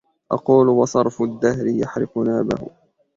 أقول وصرف الدهر يحرق نابه